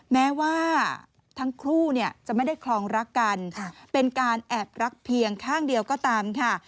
แม้ว่าทั้งคู่จะไม่ได้คลองรักกันเป็นการแอบรักเพียงข้างเดียวก็ตามค่ะ